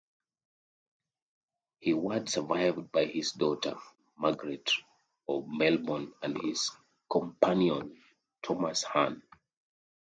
He wad survived by his daughter, Margaret, of Melbourne, and his companion, Thomas Han.